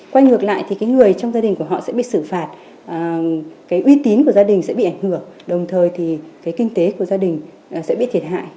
quay ngược lại thì cái người trong gia đình của họ sẽ bị xử phạt cái uy tín của gia đình sẽ bị ảnh hưởng đồng thời thì cái kinh tế của gia đình sẽ bị thiệt hại